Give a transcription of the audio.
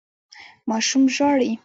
ماشوم ژاړي.